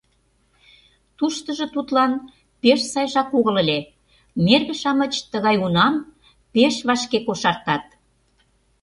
Туштыжо тудлан пеш сайжак огыл ыле: нерге-шамыч тыгай унам пеш вашке кошартат.